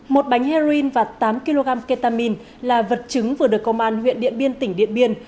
một bánh heroin và tám kg ketamine là vật chứng vừa được công an huyện điện biên tỉnh điện biên